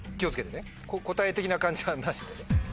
答え的な感じはなしでね。